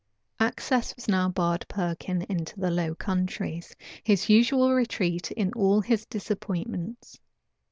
Access was now barred Perkin into the Low Countries, his usual retreat in all his disappointments.